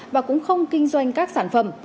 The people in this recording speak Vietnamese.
và cũng không kinh doanh các sản phẩm